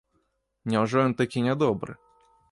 Няўжо ён такі нядобры?